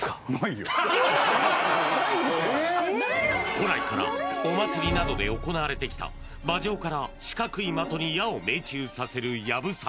古来からお祭りなどで行われてきた馬上から四角い的に矢を命中させる流鏑馬